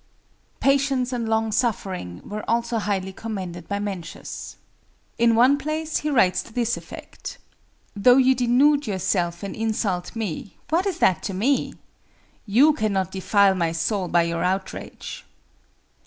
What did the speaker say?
Patience and long suffering were also highly commended by Mencius. In one place he writes to this effect: "Though you denude yourself and insult me, what is that to me? You cannot defile my soul by your outrage."